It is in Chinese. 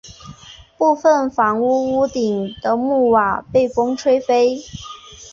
部分房屋屋顶的木瓦被风吹飞。